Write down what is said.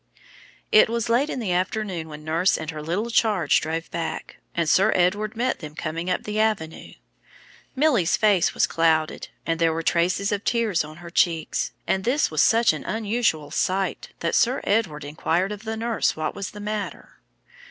It was late in the afternoon when nurse and her little charge drove back, and Sir Edward met them coming up the avenue. Milly's face was clouded, and there were traces of tears on her cheeks, and this was such an unusual sight that Sir Edward inquired of the nurse what was the matter.